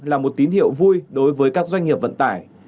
là một tín hiệu vui đối với các doanh nghiệp vận tải